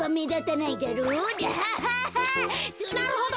なるほど。